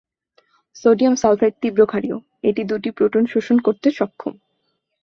Sodium sulphide তীব্র ক্ষারীয় এটি দুটি প্রোটন শোষণ করতে সক্ষম।